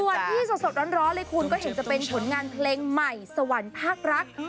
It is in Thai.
ส่วนที่สดร้อนเลยคุณก็เห็นจะเป็นผลงานเพลงใหม่สวรรค์ภาครัก